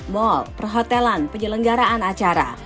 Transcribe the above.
mal perhotelan penyelenggaraan acara